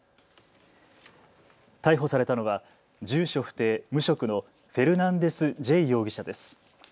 逮捕されたのは住所不定、無職のフェルナンデス・ジェイ容疑者です。